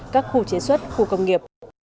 các khu chế xuất khu công nghiệp